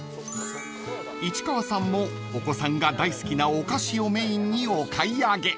［市川さんもお子さんが大好きなお菓子をメインにお買い上げ］